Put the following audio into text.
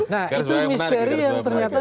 nah itu misteri yang ternyata